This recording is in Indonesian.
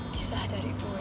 pisah dari boy